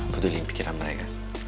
peduliin pikiran mereka